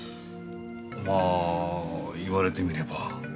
まあ言われてみれば。